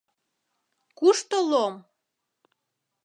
Кушто лом?